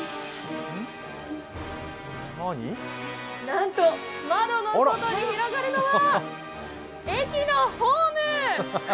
なんと窓の外に広がるのは駅のホーム！